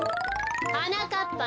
・はなかっぱ